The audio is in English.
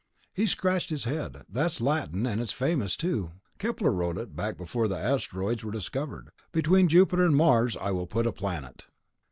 He scratched his head. "That's Latin, and it's famous, too. Kepler wrote it, back before the asteroids were discovered. 'Between Jupiter and Mars I will put a planet.'"